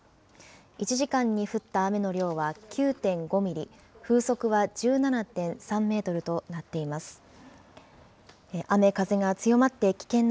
１時間に降った雨の量は９．５ミリ、風速は１７．３メートルとなっています。